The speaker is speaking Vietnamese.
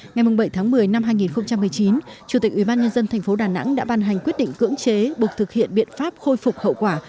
ngày bảy tháng một mươi năm hai nghìn một mươi chín chủ tịch ubnd tp đà nẵng đã ban hành quyết định cưỡng chế buộc thực hiện biện pháp khôi phục hậu quả